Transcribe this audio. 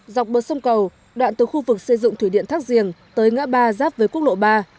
dọc bờ sông cầu đoạn từ khu vực xây dựng thủy điện thác giềng tới ngã ba giáp với quốc lộ ba